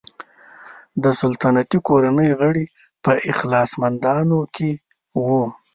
د سلطنتي کورنۍ غړي په اخلاصمندانو کې وو.